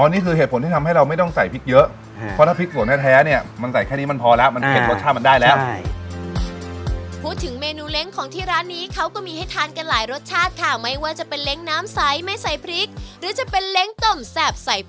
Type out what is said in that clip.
อ๋อนี่คือเหตุผลที่ทำให้เราไม่ต้องใส่พริกเยอะ